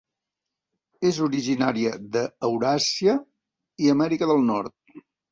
És originària d'Euràsia i Amèrica del Nord.